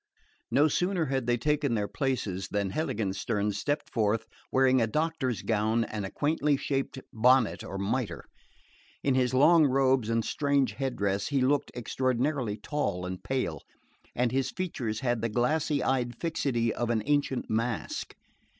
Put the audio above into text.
No sooner had they taken their places than Heiligenstern stepped forth, wearing a doctor's gown and a quaintly shaped bonnet or mitre. In his long robes and strange headdress he looked extraordinarily tall and pale, and his features had the glassy eyed fixity of an ancient mask.